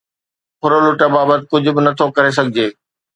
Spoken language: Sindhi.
ڦرلٽ بابت ڪجهه به نه ٿو ڪري سگهجي.